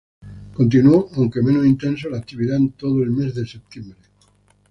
Continuó, aunque menos intenso, la actividad en todo el mes de septiembre.